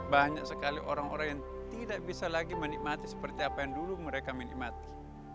banyak sekali orang orang yang tidak bisa lagi menikmati seperti apa yang dulu mereka menikmati